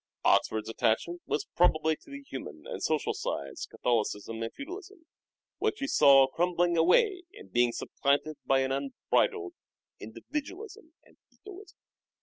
Oxford's attachment was probably to the human and social sides of Catholicism and Feudalism, which he saw crumbling away and being supplanted by an un bridled individualism and egoism.